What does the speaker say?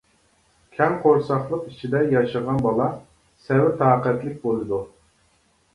كەڭ قورساقلىق ئىچىدە ياشىغان بالا، سەۋر-تاقەتلىك بولىدۇ.